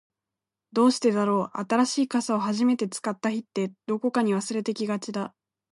どうしてだろう、新しい傘を初めて使った日って、どこかに忘れてきがちだ。